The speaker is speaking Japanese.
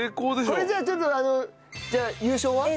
これじゃあちょっとあのじゃあ優勝は？